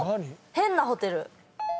「変なホテル」